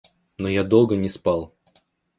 Но я долго не спал.